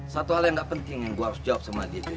satu hal yang gak penting yang gue harus jawab sama dia